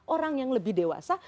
orang yang lebih dewasa